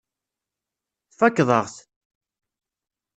Tfakkeḍ-aɣ-t.